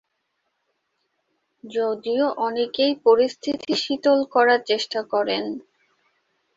যদিও অনেকেই পরিস্থিতি শীতল করার চেষ্টা করেন।